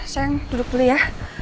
sayang duduk dulu ya